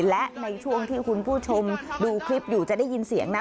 และในช่วงที่คุณผู้ชมดูคลิปอยู่จะได้ยินเสียงนะ